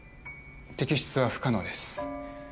摘出は不可能です